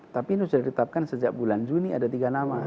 tapi ini sudah ditetapkan sejak bulan juni ada tiga nama